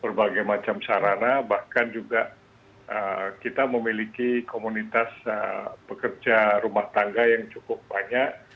berbagai macam sarana bahkan juga kita memiliki komunitas pekerja rumah tangga yang cukup banyak